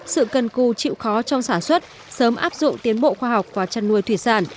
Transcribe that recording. sự cần cù chịu khó trong sản xuất sớm áp dụng tiến bộ khoa học và chăn nuôi thủy sản